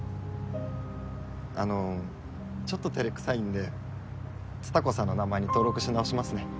あのちょっとてれくさいんで蔦子さんの名前に登録し直しますね。